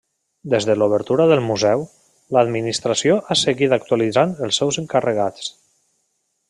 Des de l'obertura del museu, l'administració ha seguit actualitzant els seus encarregats.